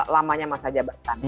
lamanya masa jabatan